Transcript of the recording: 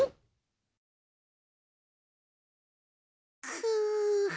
くう！